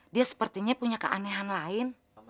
dia sepertinya punya keanehan lain